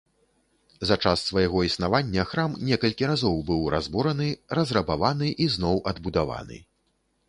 За час свайго існавання храм некалькі разоў быў разбураны, разрабаваны і зноў адбудаваны.